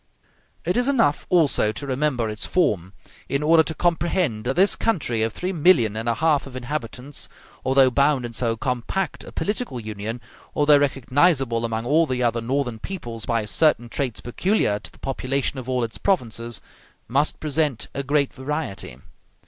It is enough also to remember its form in order to comprehend that this country of three millions and a half of inhabitants, although bound in so compact a political union, although recognizable among all the other northern peoples by certain traits peculiar to the population of all its provinces, must present a great variety.